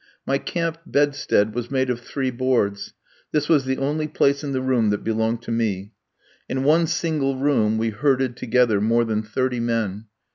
My camp bedstead was made of three boards. This was the only place in the room that belonged to me. In one single room we herded together, more than thirty men.